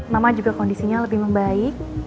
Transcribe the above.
mama juga kondisinya lebih membaik